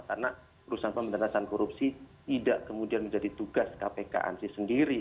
karena perusahaan pemberantasan korupsi tidak kemudian menjadi tugas kpk ansi sendiri